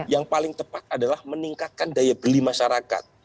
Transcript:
yang paling tepat adalah meningkatkan daya beli masyarakat